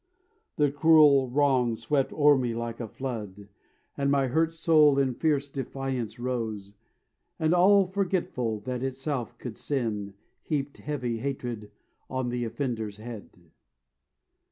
The cruel wrong swept o'er me like a flood; And my hurt soul in fierce defiance rose, And all forgetful that itself could sin Heaped heavy hatred on the offender's head.